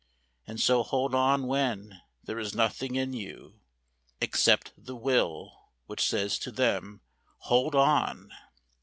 And so hold on when there is nothing in you Except the Will which says to them: 'Hold on!'